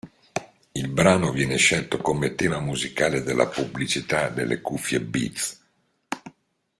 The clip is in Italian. Il brano viene scelto come tema musicale della pubblicità delle cuffie Beats.